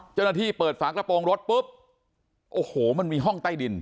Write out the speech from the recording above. เจ้าหน้าที่เปิดฝากระโปรงรถปุ๊บโอ้โหมันมีห้องใต้ดิน